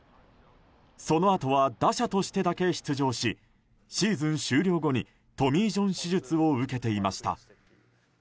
そのあとは打者としてだけ出場しシーズン終了後にトミー・ジョン手術を受けていました。